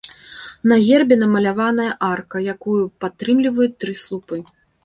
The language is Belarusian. На гербе намаляваная арка, якую падтрымліваюць тры слупа.